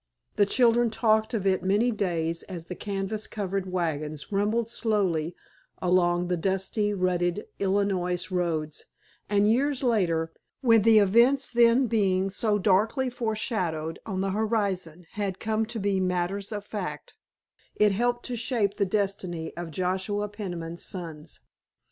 The children talked of it many days as the canvas covered wagons rumbled slowly along the dusty, rutted Illinois roads, and years later, when the events then being so darkly foreshadowed on the horizon had come to be matters of fact, it helped to shape the destiny of Joshua Peniman's sons.